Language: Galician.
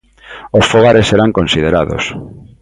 Os fogares serán considerados.